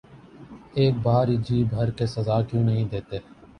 اک بار ہی جی بھر کے سزا کیوں نہیں دیتے